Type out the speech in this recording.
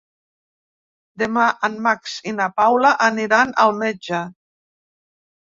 Demà en Max i na Paula aniran al metge.